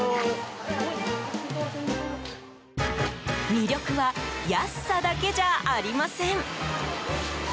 魅力は安さだけじゃありません。